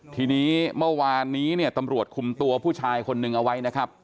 ทีนี้เมื่อวานนี้เนี่ยตำรวจคุมตัวผู้ชายคนหนึ่งเอาไว้นะครับ